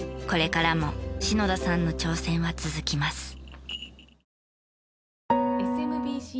これからも篠田さんの挑戦は続きます。